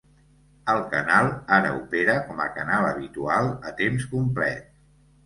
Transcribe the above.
El canal ara opera com a canal habitual a temps complet.